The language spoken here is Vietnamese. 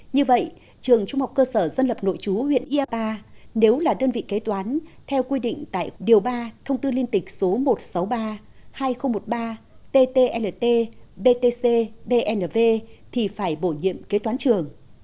như vậy trường trung học cơ sở dân lập nội chú huyện iapa nếu là đơn vị kế toán theo quy định tại điều ba thông tư liên tịch số một trăm sáu mươi ba hai nghìn một mươi ba ttlt btc bnv thì phải bổ nhiệm kế toán trường